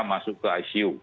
masuk ke icu